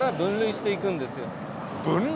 分類？